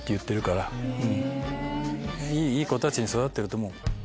いい子たちに育ってると思う。